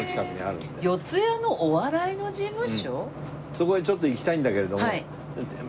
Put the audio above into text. そこにちょっと行きたいんだけれども。